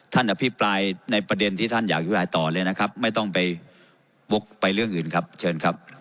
อภิปรายในประเด็นที่ท่านอยากอภิปรายต่อเลยนะครับไม่ต้องไปวกไปเรื่องอื่นครับเชิญครับ